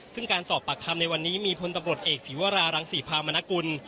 ซึ่งการสอบปากคำในวันนี้มีพลตำรวจเอกศีวรารังศรีพามนกุล